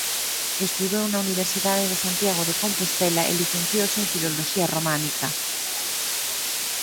Estudou na Universidade de Santiago de Compostela e licenciouse en Filoloxía Románica.